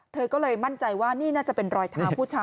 เธอก็เลยมั่นใจว่านี่น่าจะเป็นรอยเท้าผู้ชาย